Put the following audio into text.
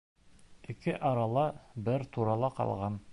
Ике арала, бер турала ҡалған.